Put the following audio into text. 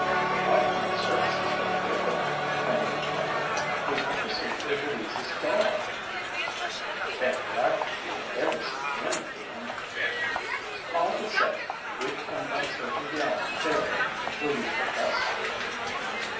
"Providing your services go with it," Penny replied. "We want to search for Louise's dog." "'Tain't likely you'll ever see him again." "All the same, we've planned on searching the island thoroughly. Will you take us?"